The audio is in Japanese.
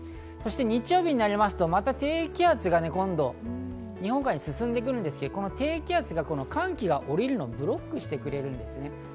そして日曜日なりますと、また低気圧が今度日本海に進んでくるんですけど、この低気圧、寒気が降りるのをブロックしてくれるんです。